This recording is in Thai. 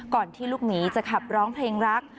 ที่ลูกหมีจะขับร้องเพลงรัก